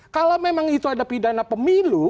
kalau memang itu ada pidana pemilu